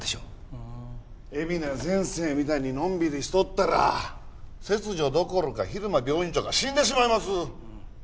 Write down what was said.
海老名先生みたいにのんびりしとったら切除どころか蛭間病院長が死んでしまいます。